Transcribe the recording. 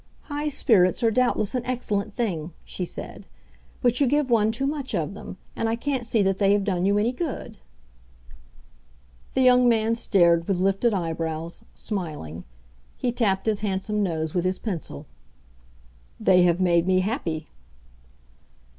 "High spirits are doubtless an excellent thing," she said; "but you give one too much of them, and I can't see that they have done you any good." The young man stared, with lifted eyebrows, smiling; he tapped his handsome nose with his pencil. "They have made me happy!"